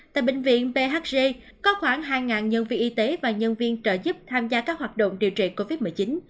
tại bệnh viện bhg có khoảng hai nhân viên y tế và nhân viên trợ giúp tham gia các hoạt động điều trị covid một mươi chín